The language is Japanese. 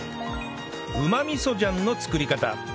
うま味噌醤の作り方